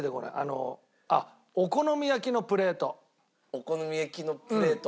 お好み焼きのプレート。